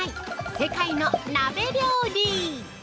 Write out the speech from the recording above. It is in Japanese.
世界の鍋料理。